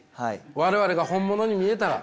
我々が本物に見えたら。